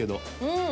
うん。